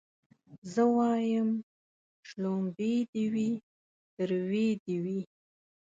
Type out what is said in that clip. زه وايم شلومبې دي وي تروې دي وي